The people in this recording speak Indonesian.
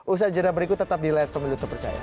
usaha jendela berikut tetap di layak pemilu terpercaya